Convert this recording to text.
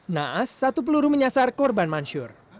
naas satu peluru menyasar korban mansur